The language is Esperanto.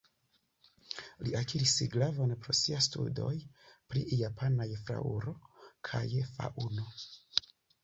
Li akiris gravon pro sia studoj pri japanaj flaŭro kaj faŭno.